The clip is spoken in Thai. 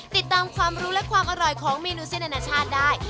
ติดตามความรู้และความอร่อยของเมนูเส้นอนาชาติได้